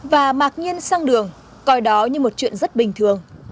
và mặc nhiên sang đường coi đó như một chuyện rất bình thường